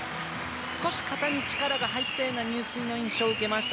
少し肩に力が入ったような入水の印象を受けました。